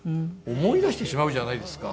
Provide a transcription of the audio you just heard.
思い出してしまうじゃないですか。